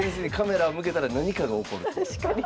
確かに。